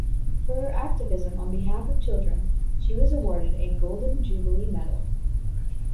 For her activism on behalf of children, she was awarded a Golden Jubilee Medal.